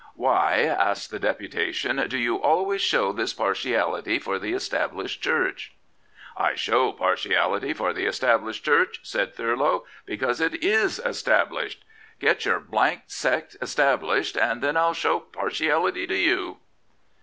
' Why,' asked the deputation, ' do you always show this partiality for the Established Church ?'* I show partiality for the 91 Prophets, Priests, and Kings Established Cjiurch/ said Thurlow. ' because it is established. Get your sect established and then I'll show partiality to you.'